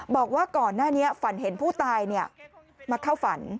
บอกว่าก่อนหน้านี้ฝันเห็นผู้ตายมาเข้าฝัน